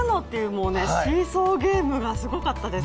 シーソーゲームがすごかったです。